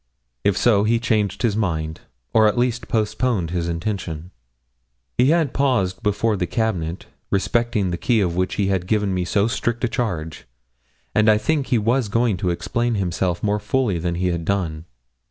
If so, he changed his mind, or at least postponed his intention. He had paused before the cabinet, respecting the key of which he had given me so strict a charge, and I think he was going to explain himself more fully than he had done.